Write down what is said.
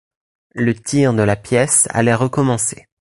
Le tir de la pièce allait recommencer.